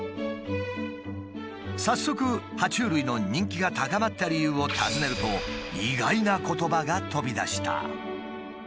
早速は虫類の人気が高まった理由を尋ねると意外な言葉が飛び出した。